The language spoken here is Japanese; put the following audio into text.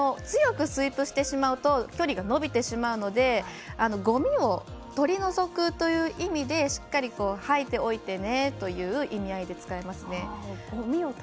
強くスイープしてしまうと距離が伸びてしまうのでごみを取り除くという意味でしっかり掃いておいてねという意味合いで使いますね。